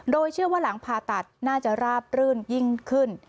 โดยเชื่อว่าหลังผ่าตัดน่าจะราบรื่นยิ่งขึ้น